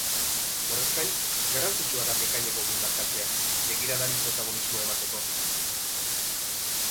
Horrez gain, garrantzitsua da bekainak ongi markatzea, begiradari protagonismoa emateko.